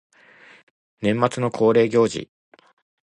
年末の恒例行事